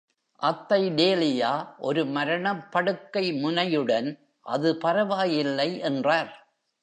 அத்தை டேலியா, ஒரு மரணப் படுக்கை முனையுடன், அது பரவாயில்லை என்றார்.